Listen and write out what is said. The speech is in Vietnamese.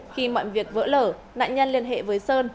khi mọi việc vỡ lở nạn nhân liên hệ với sơn